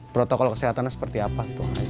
protokol kesehatannya seperti apa